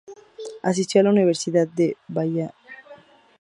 Asistió a la Universidad de Vanderbilt.